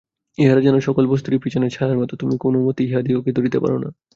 ইহারা যেন সকল বস্তুরই পিছনে ছায়ার মত, তুমি কোনমতে উহাদিগকে ধরিতে পার না।